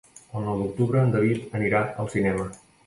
El nou d'octubre en David anirà al cinema.